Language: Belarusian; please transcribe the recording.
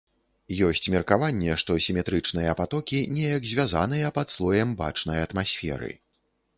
Ёсць меркаванне, што сіметрычныя патокі неяк звязаныя пад слоем бачнай атмасферы.